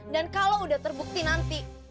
dan kalau udah terbukti nanti